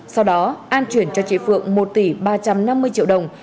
sau đó an chuyển cho chị phượng một tỷ ba trăm năm mươi triệu đồng